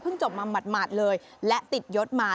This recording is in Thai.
จบมาหมาดเลยและติดยศมา